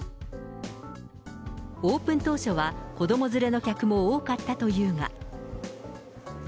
オープン当初は子ども連れの客も多かったというが。